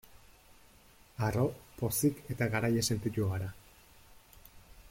Harro, pozik eta garaile sentitu gara.